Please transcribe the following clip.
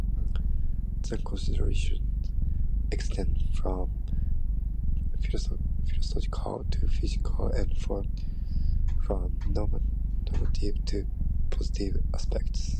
The considerations extend from psychological to physical and from normative to positive aspects.